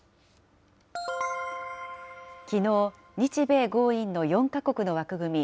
きのう、日米豪印の４か国の枠組み、